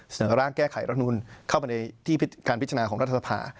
เสนอร่างแก้ไขรัฐนูลเข้าไปในที่การพิจารณาของรัฐสภา